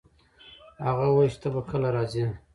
هغه وویل چي ته به کله راځي؟